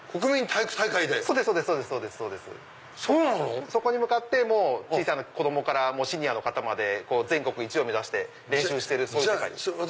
体育大会で⁉そこに向かって小さな子供からシニアの方まで全国１位を目指して練習してるそういう世界です。